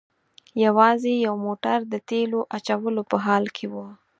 یوازې یو موټر د تیلو اچولو په حال کې و.